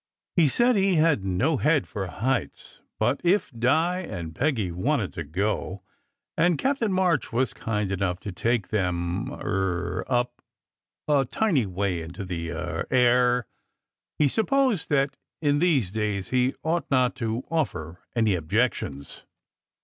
He said that he had no head for heights, but if Di and Peggy wanted to go, and Captain March was kind enough to take them er up, a tiny way into the er air, he supposed that in these days he ought not to offer any ob jections.